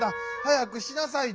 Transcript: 早くしなさい。